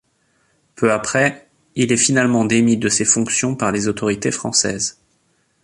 Peu après, il est finalement démis de ses fonctions par les autorités françaises.